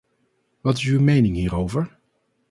Wat is uw mening hierover?